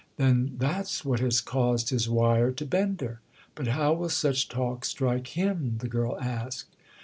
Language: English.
"Then that's what has caused his wire to Bender." "But how will such talk strike him?" the girl asked.